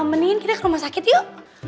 mendingan kita ke rumah sakit yuk